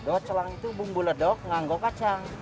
do celang itu bumbu ledok nganggo kacang